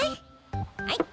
はい。